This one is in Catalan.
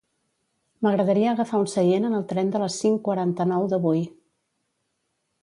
M'agradaria agafar un seient en el tren de les cinc quaranta-nou d'avui.